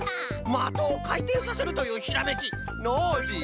まとをかいてんさせるというひらめきノージー